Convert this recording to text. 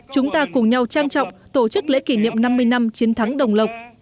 chúng ta cùng nhau trang trọng tổ chức lễ kỷ niệm năm mươi năm chiến thắng đồng lộc